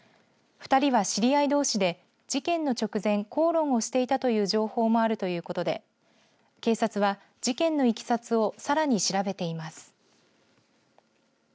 ２人は知り合いどうしで事件の直前口論をしていたという情報もあるということで警察は事件のいきさつをさらに調べています。